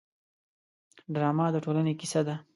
ډرامه د ټولنې کیسه ده